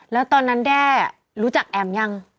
แล้วแด้รู้จักแอมยัง